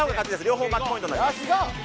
両方マッチポイントになります